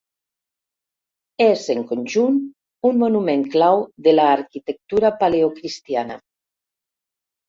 És, en conjunt, un monument clau de l'arquitectura paleocristiana.